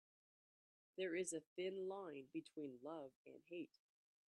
There is a thin line between love and hate.